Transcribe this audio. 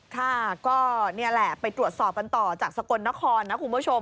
ค่ะก็นี่แหละไปตรวจสอบกันต่อจากสกลนครนะคุณผู้ชม